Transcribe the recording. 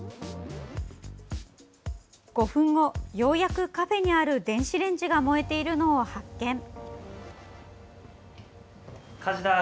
５分後、ようやくカフェにある電子レンジが燃えているのを発見。